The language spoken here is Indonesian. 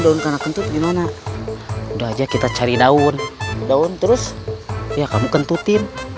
daun kanak kentut gimana udah aja kita cari daun daun terus ya kamu kentutin